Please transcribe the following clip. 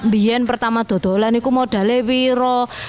bila pertama datang ada apa yang mau dibuat